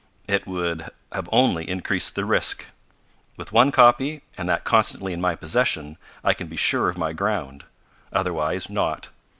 "It would have only increased the risk. With one copy, and that constantly in my possession, I can be sure of my ground. Otherwise not.